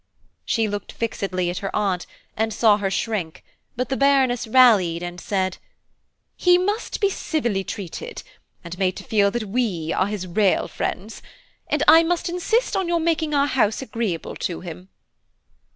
She looked fixedly at her Aunt, and saw her shrink, but the Baroness rallied, and said: "He must be civilly treated and made to feel that we are his real friends, and I must insist on your making our house agreeable to him."